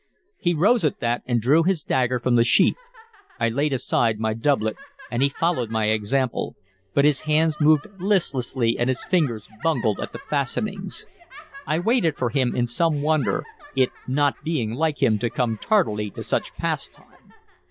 He rose at that, and drew his dagger from the sheath. I laid aside my doublet, and he followed my example, but his hands moved listlessly and his fingers bungled at the fastenings. I waited for him in some wonder, it not being like him to come tardily to such pastime.